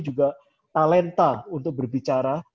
juga talenta untuk berbicara